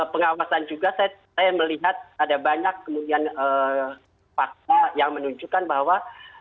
pengawasan juga saya melihat ada banyak kemudian fakta yang menunjukkan bahwa